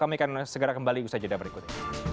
kami akan segera kembali di usaha jeda berikutnya